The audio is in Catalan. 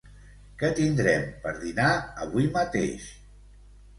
Què tindrem per dinar avui mateix?